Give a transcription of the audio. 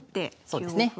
そうですね。